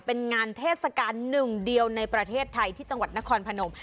เป็นงานเทศกาลหนึ่งเดียวในประเทศไทยที่จังหวัดนครพนม